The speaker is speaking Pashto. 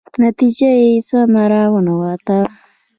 نتیجه یې سمه را ونه وتله.